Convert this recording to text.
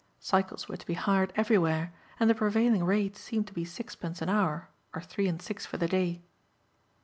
Cycles were to be hired everywhere and the prevailing rate seemed to be sixpence an hour or three and six for the day.